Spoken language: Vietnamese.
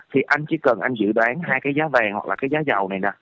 thì anh chỉ cần anh dự đoán hai cái giá vàng hoặc là cái giá dầu này nè